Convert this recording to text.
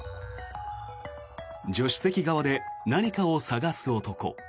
助手席側で何かを探す男。